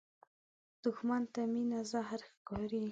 دښمن ته مینه زهر ښکاري